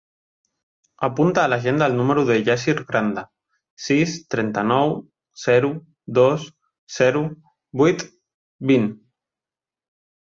Apunta a l'agenda el número del Yassir Granda: sis, trenta-nou, zero, dos, zero, vuit, vint.